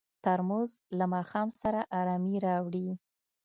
ترموز له ماښام سره ارامي راوړي.